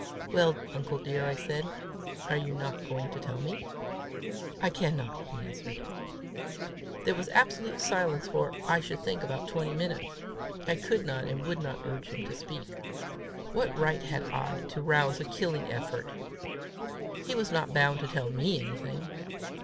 "Well, uncle dear," I said, "are you not going to tell me?" "I cannot," he answered. There was absolute silence for, I should think, about twenty minutes. I could not and would not urge him to speak. What right had I to rouse a killing effort! He was not bound to tell me anything!